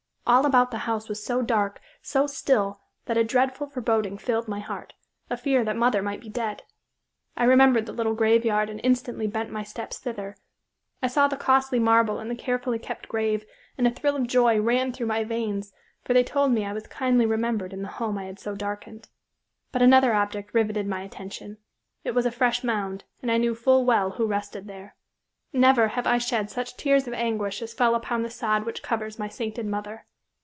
All about the house was so dark, so still, that a dreadful foreboding filled my heart—a fear that mother might be dead. I remembered the little graveyard and instantly bent my steps thither. I saw the costly marble and the carefully kept grave, and a thrill of joy ran through my veins, for they told me I was kindly remembered in the home I had so darkened. But another object riveted my attention. It was a fresh mound, and I knew full well who rested there. Never have I shed such tears of anguish as fell upon the sod which covers my sainted mother.